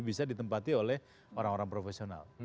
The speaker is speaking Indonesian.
bisa ditempati oleh orang orang profesional